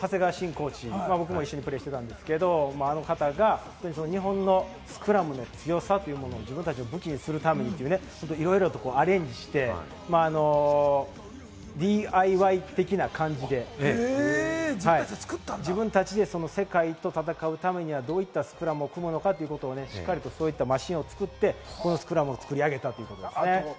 コーチ、僕も一緒にプレーしていたんですけれども、あの方々日本のスクラムの強さというものを日本の武器にするためにいろいろとアレンジしてＤＩＹ的な感じで、自分たちで世界と戦うためにはどういったスクラムを組むのかということを作って、このスクラムを作り上げたんです。